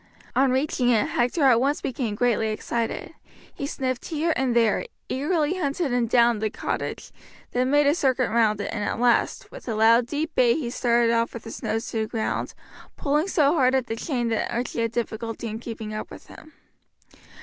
On reaching it Hector at once became greatly excited. He sniffed here and there, eagerly hunted up and down the cottage, then made a circuit round it, and at last, with a loud deep bay he started off with his nose to the ground, pulling so hard at the chain that Archie had difficulty in keeping up with him.